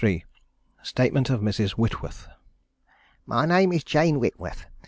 3._ Statement of Mrs. Whitworth._ My name is Jane Whitworth.